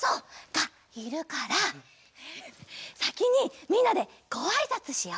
がいるからさきにみんなでごあいさつしよう。